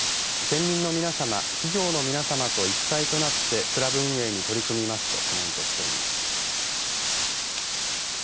県民の皆さま、企業の皆さまと一体となってクラブ運営に取り組みますとコメントしています。